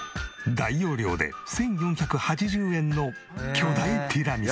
大容量で１４８０円の巨大ティラミス。